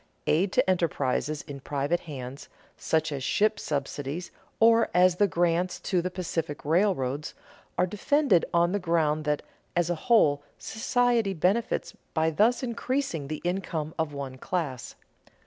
Aid to enterprises in private hands, such as ship subsidies or as the grants to the Pacific railroads, are defended on the ground that, as a whole, society benefits by thus increasing the income of one class.